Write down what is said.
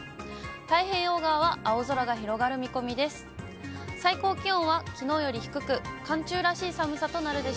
太平洋側は青空が広がる見込みです。